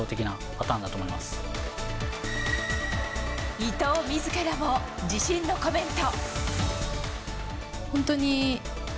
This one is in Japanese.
伊藤自らも自信のコメント。